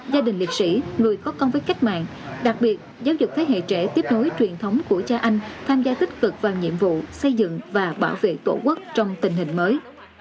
gia đình liệt sĩ người có công với cách mạng đặc biệt giáo dục thế hệ trẻ tiếp nối truyền thống của cha anh tham gia tích cực vào nhiệm vụ xây dựng và bảo vệ tổ quốc trong tình hình mới